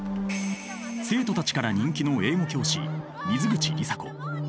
生徒たちから人気の英語教師水口里紗子。